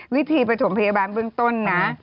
วิธีประถมพยาบาลเบื้องต้นนะ